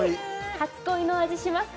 初恋の味しますか？